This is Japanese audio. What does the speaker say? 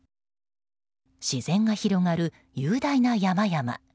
自然が広がる雄大な山々。